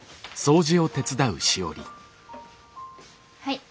はい。